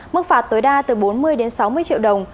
mức phạt tối đa từ bốn mươi đến sáu mươi triệu đồng